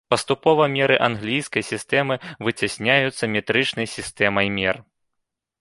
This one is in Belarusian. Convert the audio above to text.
Паступова меры англійскай сістэмы выцясняюцца метрычнай сістэмай мер.